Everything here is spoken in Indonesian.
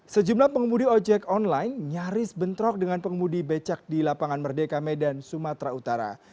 sejumlah pengemudi ojek online nyaris bentrok dengan pengemudi becak di lapangan merdeka medan sumatera utara